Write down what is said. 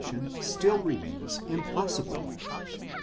ation still remains impossible.